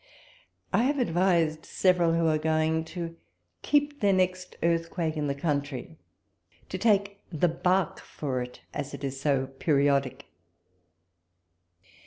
I have advised several who are going to keep their next earthquake in the country, to take the bark for it, as it is so periodic.